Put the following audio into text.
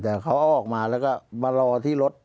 แต่เขาเอาออกมาแล้วก็มารอที่รถ